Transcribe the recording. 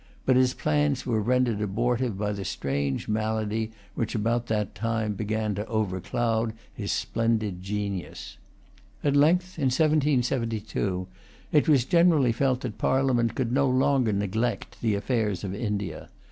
But his plans were rendered abortive by the strange malady which about that time began to overcloud his splendid genius. At length, in 1772, it was generally felt that Parliament could no longer neglect the affairs of India.